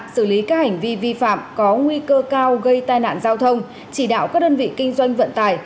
xử lý các hành vi vi phạm có nguy cơ cao gây tai nạn giao thông chỉ đạo các đơn vị kinh doanh vận tải